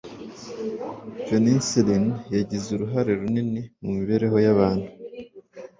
penicillin yagize uruhare runini mu mibereho y'abantu